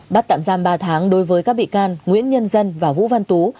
bắt tạm giam ba tháng đối với các bị can nguyễn nhân dân và vũ văn tú